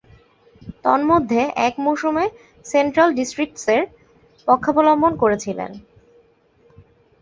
তন্মধ্যে, এক মৌসুমে সেন্ট্রাল ডিস্ট্রিক্টসের পক্ষাবলম্বন করেছিলেন।